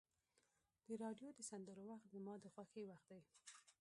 د راډیو د سندرو وخت زما د خوښۍ وخت دی.